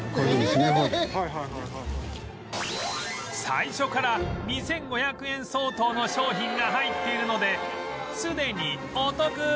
最初から２５００円相当の商品が入っているのですでにお得